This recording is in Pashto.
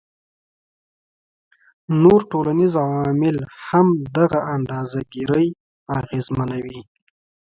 نور ټولنیز عوامل هم دغه اندازه ګيرۍ اغیزمنوي